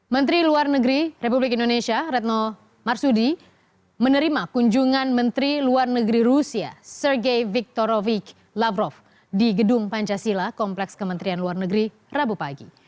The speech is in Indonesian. menteri luar negeri republik indonesia retno marsudi menerima kunjungan menteri luar negeri rusia sergei victorrovic lavrov di gedung pancasila kompleks kementerian luar negeri rabu pagi